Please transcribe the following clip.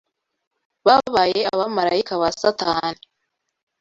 Babaye abamarayika ba Satani